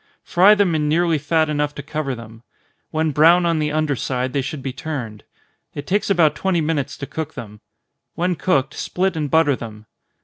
Fry them in nearly fat enough to cover them. When brown on the under side, they should be turned. It takes about twenty minutes to cook them. When cooked, split and butter them.